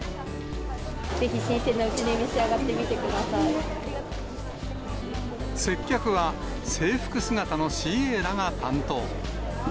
ぜひ新鮮なうちに召し上がっ接客は、制服姿のＣＡらが担当。